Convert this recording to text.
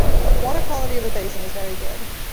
Water quality of the basin is very good.